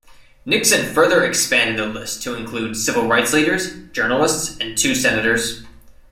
Nixon further expanded the list to include civil rights leaders, journalists and two senators.